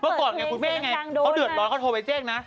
ก่อนไงคุณแม่ยังไงเขาเดือดร้อนเขาโทรไปแจ้งนะ